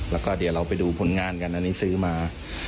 แล้วก็เดี๋ยวเราไปดูผลงานกันอันนี้ซื้อมา